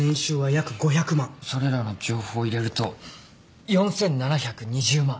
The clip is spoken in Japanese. それらの情報を入れると４，７２０万。